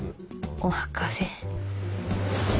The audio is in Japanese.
お任せ